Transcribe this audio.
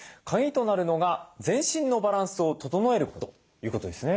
カギとなるのが全身のバランスを整えることですね。